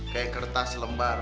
kayak kertas lembar